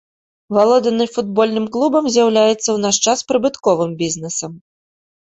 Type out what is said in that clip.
Валоданне футбольным клубам з'яўляецца ў наш час прыбытковым бізнесам.